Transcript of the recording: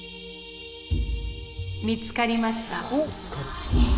見つかりました。